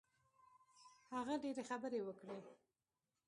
هغه ډېرې خبرې وکړې.